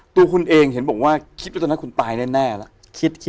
ตัวคุณเองเห็นบอกว่าคิดว่าตอนนั้นคุณตายแน่แล้ว